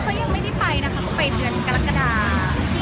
เขายังไม่ได้ไปนะคะเขาไปเดือนกรกฎา